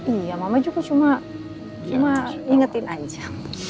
iya mama juga cuma ingetin aja